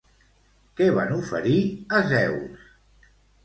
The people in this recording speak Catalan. Què van oferir a Zeus?